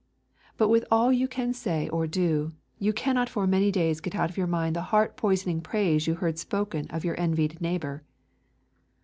But with all you can say or do, you cannot for many days get out of your mind the heart poisoning praise you heard spoken of your envied neighbour.